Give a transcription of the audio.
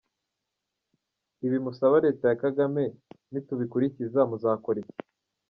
Ibi musaba Leta ya Kagame nitabikurikiza, muzakora iki ?